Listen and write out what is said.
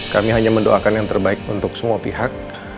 kami hanya mendoakan yang terbaik untuk semua pihak